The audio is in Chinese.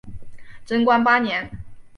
贞观八年。